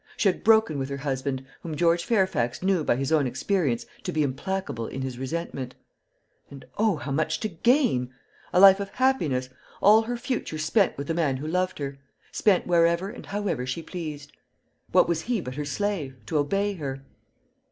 She had broken with her husband, whom George Fairfax knew by his own experience to be implacable in his resentment. And oh, how much to gain! A life of happiness; all her future spent with the man who loved her; spent wherever and however she pleased. What was he but her slave, to obey her?